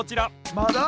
まだ？